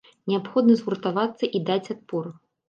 Неабходна згуртавацца і даць адпор.